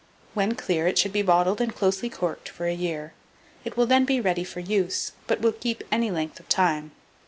When clear, it should be bottled and closely corked for a year; it will then be ready for use, but will keep any length of time.